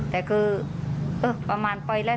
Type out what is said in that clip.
แต่คือประมาณไปแล้ว